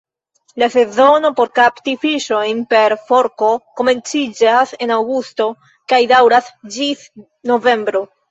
La sezono por kapti fiŝojn per forko komenciĝas en aŭgusto kaj daŭras ĝis novembro.